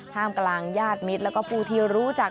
มกลางญาติมิตรแล้วก็ผู้ที่รู้จัก